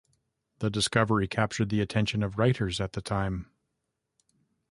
The discovery captured the attention of writers at the time.